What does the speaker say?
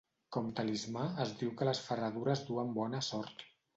Com talismà, es diu que les ferradures duen bona sort.